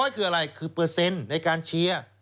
คืออะไรคือเปอร์เซ็นต์ในการเชียร์